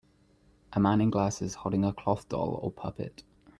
A man in glasses holding a cloth doll or puppet.